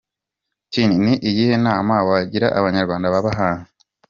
T: Ni iyihe nama wagira Abanyarwanda baba hanze?.